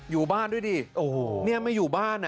อยู่บ้านด้วยดิโอ้โหเนี่ยไม่อยู่บ้านอ่ะ